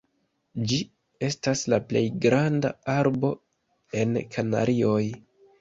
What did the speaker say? Ĝi estas la plej granda arbo en Kanarioj.